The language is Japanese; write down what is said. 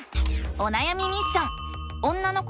おなやみミッション！